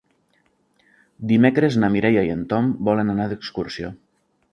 Dimecres na Mireia i en Tom volen anar d'excursió.